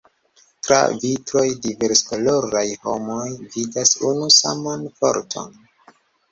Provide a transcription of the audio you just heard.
Tra vitroj diverskoloraj la homoj vidas unu saman Forton.